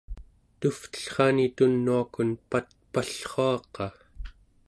tuvtellrani tunuakun patpallruaqa